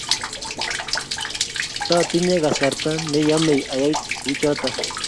tatinye kasarta ne yemei ayai kuchutok